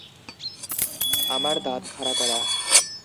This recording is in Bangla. আমার দাঁত খাড়া করা